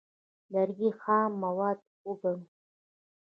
لرګي خام مواد وګڼو.